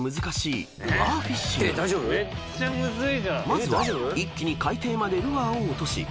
［まずは一気に海底までルアーを落とし